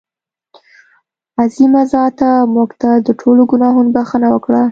عظیمه ذاته مونږ ته د ټولو ګناهونو بښنه وکړه.